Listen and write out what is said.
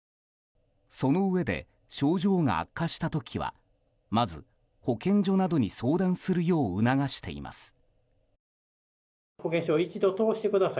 そのうえで症状が悪化した時はまず、保健所などに相談するよう促しています。